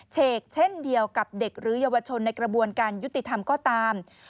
เฉกเช่นเดียวกับเด็กหรือเยาวชนในกระบวนการยุติธรรมก็ตาม